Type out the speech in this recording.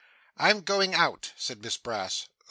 'I am going out,' said Miss Brass.